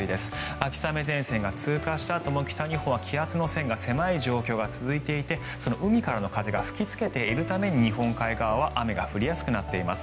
秋雨前線が通過したあとも北日本は気圧の線が狭い状況が続いていて海からの風が吹きつけているために日本海側は雨が降りやすくなっています。